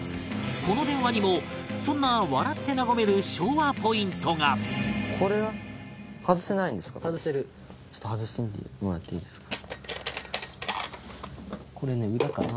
この電話にもそんな笑って和めるちょっと外してみてもらっていいですか？